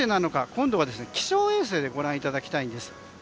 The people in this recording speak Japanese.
今度は気象衛星でご覧いただきたいんです。